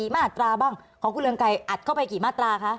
มาอัตราบ้างของคุณเรืองไกรอัดเข้าไปกี่มาตราคะ